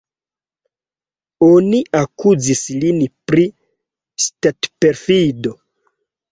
Oni akuzis lin pri ŝtatperfido.